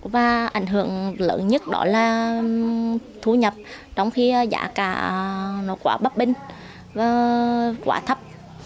và ảnh hưởng lớn nhất đó là thu nhập trong khi giá cả nó quá bắp binh và quá thấp